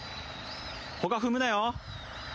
他踏むなよ。